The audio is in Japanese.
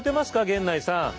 源内さん。